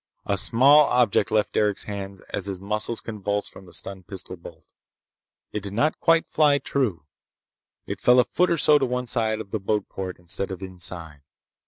A small object left Derec's hand as his muscles convulsed from the stun pistol bolt. It did not fly quite true. It fell a foot or so to one side of the boatport instead of inside.